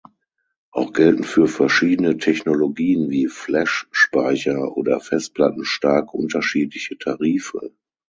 Auch gelten für verschiedene Technologien wie Flash-Speicher oder Festplatten stark unterschiedliche Tarife.